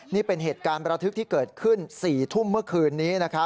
นี่เป็นเหตุการณ์ประทึกที่เกิดขึ้น๔ทุ่มเมื่อคืนนี้